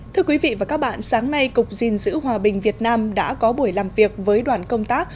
thưa quý vị và các bạn sáng nay cục gìn giữ hòa bình việt nam đã có buổi làm việc với đoàn công tác